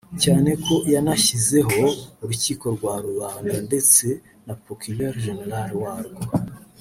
cyane ko yanashyizeho urukiko rwa Rubanda ndetse na Procureur general warwo